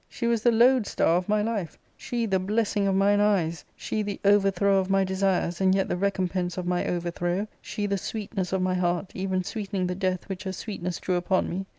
^Book IL 127 — she was the load star of my life, she the blessing of mine eyes, she the overthrow of my desires and yet the recom pense of my overthrow, she the sweetness of my heart, even sweetening the death which her sweetness drew upon me.